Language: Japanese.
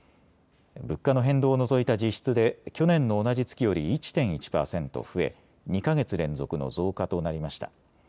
物価の変動を除いた実質で去年の同じ月より１．１％増え２か月連続の増加となりました。